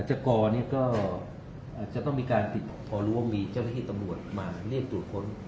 จักรเนี่ยก็จะต้องมีการติดขอรู้ว่ามีเจ้าที่ตำรวจมาเรียกตรวจคน